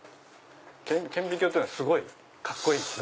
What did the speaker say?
⁉顕微鏡っていうのはすごいカッコいいんです。